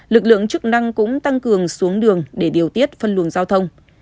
lực lượng chức năng cũng tăng cường xuống đường để điều tiết phân luồng giao thông